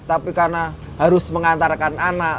tapi karena harus mengantarkan anak